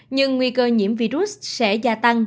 nhưng nguy cơ nhiễm virus sẽ gia tăng